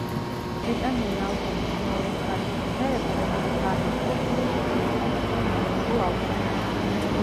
ბრიტანული ალბომის მეორე მხარის სიმღერები, რომლებიც არ მოხვდა ფილმში, შეიტანეს სამ ამერიკულ ალბომში.